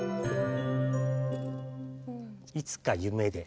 「いつか夢で」